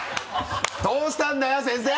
どうしたんだよ先生！